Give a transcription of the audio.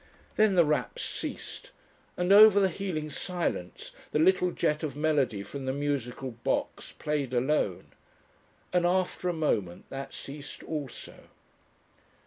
Then the raps ceased, and over the healing silence the little jet of melody from the musical box played alone. And after a moment that ceased also....